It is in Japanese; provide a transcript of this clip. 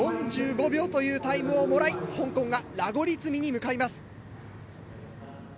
４５秒というタイムをもらい香港がラゴリ積みに向かいます。